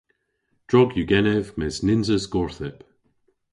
Drog yw genev mes nyns eus gorthyp.